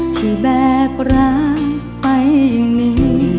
ที่แบกรักไปอย่างนี้